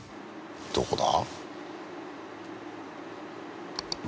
どこだ？